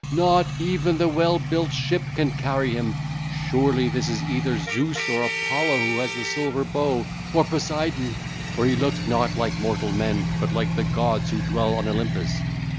Not even the well built ship can carry him. Surely this is either Zeus or Apollo who has the silver bow, or Poseidon, for he looks not like mortal men but like the gods who dwell on Olympus.